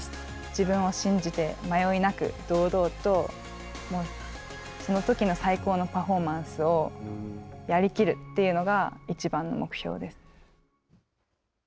自分を信じて迷いなく堂々とそのときの最高のパフォーマンスをやりきるっていうのがいちばんの目標です。